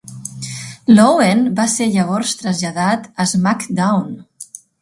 Loewen va ser llavors traslladat a SmackDown!